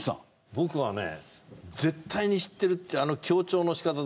僕はね「絶対に知ってる」ってあの強調の仕方で。